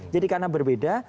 jadi karena berbeda